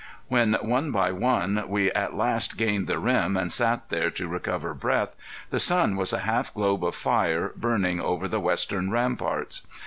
When one by one we at last gained the rim and sat there to recover breath, the sun was a half globe of fire burning over the western ramparts.